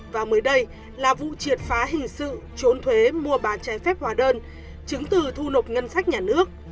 và mới đây là vụ triệt phá hình sự trốn thuế mua bán trái phép hóa đơn chứng từ thu nộp ngân sách nhà nước